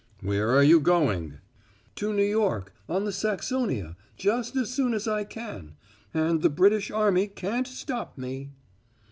"Where are you going?" "To New York, on the Saxonia, just as soon as I can. And the British army can't stop me."